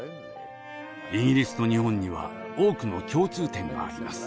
イギリスと日本には多くの共通点があります。